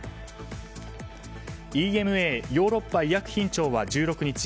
ＥＭＡ・ヨーロッパ医薬品庁は１６日